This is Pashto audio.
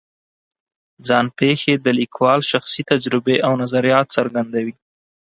ځان پېښې د لیکوال شخصي تجربې او نظریات څرګندوي.